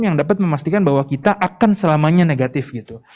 yang dapat memastikan bahwa kita akan selamanya negatif gitu